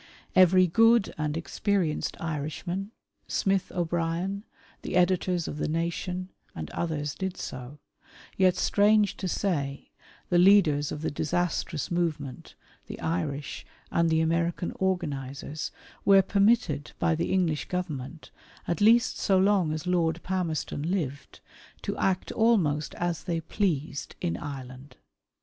Every good and experienced Irishman ; Smith O'Brien ; the editors of the Nation ; and others did so ; yet strange to say, the leaders of the disastrous movement, the Irish, and the American organizers, were permitted by the English Government, at least so long as Lord Palmerston lived, to act almost as they pleased in Ireland.